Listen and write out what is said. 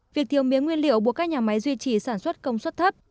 việc thiếu mía nguyên liệu buộc các nhà máy duy trì sản xuất công suất thấp